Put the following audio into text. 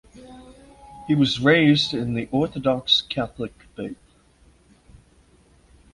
He was raised in the Orthodox Catholic faith.